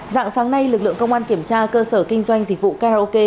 dạng sáng nay lực lượng công an kiểm tra cơ sở kinh doanh dịch vụ karaoke